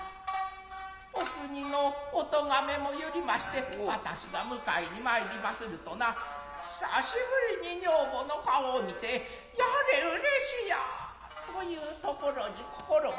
お国のお咎めも許りまして私が迎えに参りまするとな久しぶりに女房の顔を見てやれ嬉しやと云うところに心もつかず。